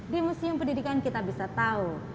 di museum pendidikan kita bisa tahu